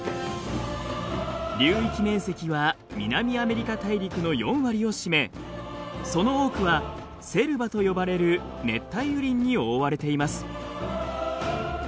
流域面積は南アメリカ大陸の４割を占めその多くはセルバと呼ばれる熱帯雨林に覆われています。